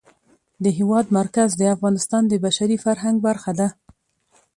د هېواد مرکز د افغانستان د بشري فرهنګ برخه ده.